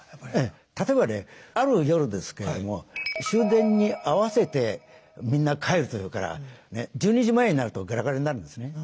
例えばねある夜ですけれども終電に合わせてみんな帰るというから１２時前になるとガラガラになるんですね。